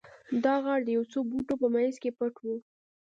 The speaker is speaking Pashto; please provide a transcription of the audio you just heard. دا غار د یو څو بوټو په مینځ کې پټ و